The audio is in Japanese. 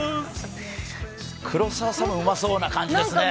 黒澤さんもうまそうな感じですね。